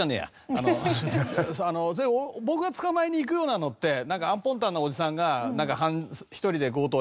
あの僕が捕まえに行くようなのってアンポンタンなおじさんが１人で強盗やっちゃったとか。